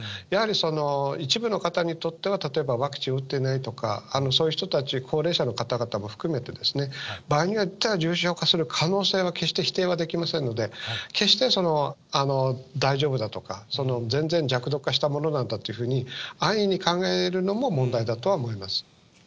やはり一部の方にとっては、例えばワクチン打っていないとか、そういう人たち、高齢者の方々も含めて、場合によっては重症化する可能性は、決して否定はできませんので、決して大丈夫だとか、全然弱毒化したものなんだっていうふうに安易に考えるのも問題だ